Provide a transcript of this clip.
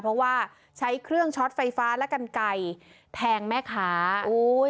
เพราะว่าใช้เครื่องช็อตไฟฟ้าและกันไก่แทงแม่ค้าโอ้ย